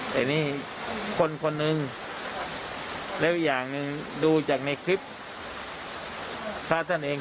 แต่นี่คนคนหนึ่งแล้วอีกอย่างหนึ่งดูจากในคลิปพระท่านเอง